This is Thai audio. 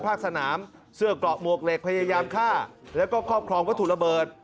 ภาคสนามเสื้อเกราะหมวกเหล็กพยายามฆ่าแล้วก็ครอบครองวัตถุระเบิด